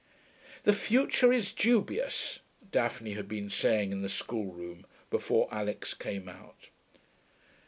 'The future is dubious,' Daphne had been saying in the schoolroom, before Alix came out.